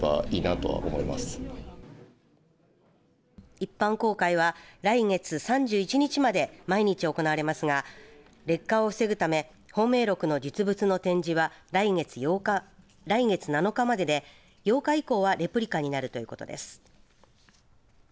一般公開は来月３１日まで毎日行われますが劣化を防ぐため芳名録の実物の展示は来月７日までで８日以降はレプリカになるということです。